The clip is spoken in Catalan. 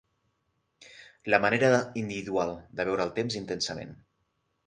La manera individual de viure el temps intensament.